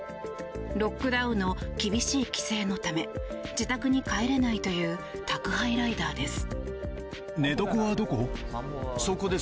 ロックダウンの厳しい規制のため自宅に帰れないという宅配ライダーです。